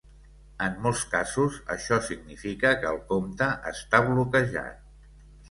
En molts casos, això significa que el compte esta bloquejat.